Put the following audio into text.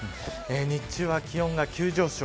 日中は気温が急上昇